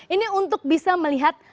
ini untuk bisa melihat